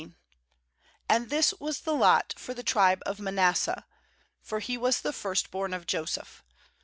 1 7 And this was the lot for the tribe of Manasseh; for he was the first born of Joseph.